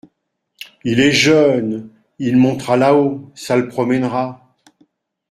Il est jeune… il montera là-haut… ça le promènera.